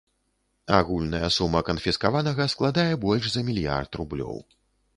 Агульная сума канфіскаванага складае больш за мільярд рублёў.